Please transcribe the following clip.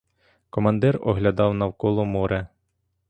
Командир оглядав навколо море.